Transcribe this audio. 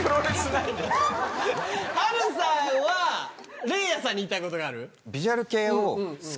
春さんは零夜さんに言いたいことがある。